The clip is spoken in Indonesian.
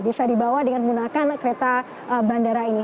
bisa dibawa dengan menggunakan kereta bandara ini